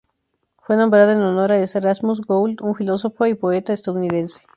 Fue nombrada en honor a Erasmus Gould, un filósofo y poeta estadounidense.